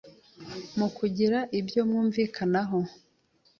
mu kugira ibyo bumvikanaho.